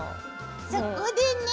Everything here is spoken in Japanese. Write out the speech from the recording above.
そこでね。